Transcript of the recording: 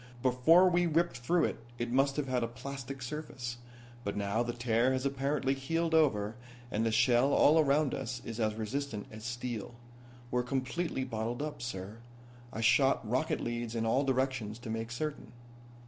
Before we ripped through it it must have had a plastic surface. But now the tear has apparently healed over, and the shell all around us is as resistant as steel. We're completely bottled up, sir. I shot rocket leads in all directions to make certain."